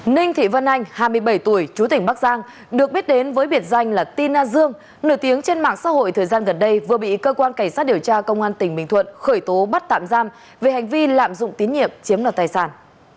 ninh thị văn anh hai mươi bảy tuổi chú tỉnh bắc giang được biết đến với biệt danh là tin a dương nổi tiếng trên mạng xã hội thời gian gần đây vừa bị cơ quan cảnh sát điều tra công an tỉnh bình thuận khởi tố bắt tạm giam về hành vi lạm dụng tín nhiệm chiếm đoạt tài sản